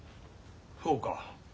そうか。